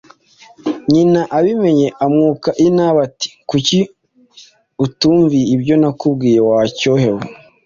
nyina abimenye amwuka inabi ati ”Kuki utumviye ibyo nakubwiye wa cyohe we